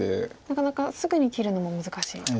なかなかすぐに切るのも難しいと。